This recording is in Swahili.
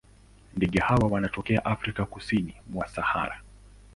Ndege hawa wanatokea Afrika kusini mwa Sahara.